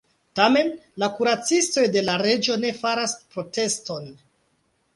Tamen, la kuracistoj de la reĝo ne faras proteston.